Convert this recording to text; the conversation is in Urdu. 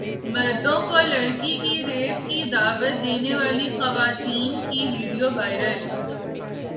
مردوں کو لڑکی کے ریپ کی دعوت دینے والی خاتون کی ویڈیو وائرل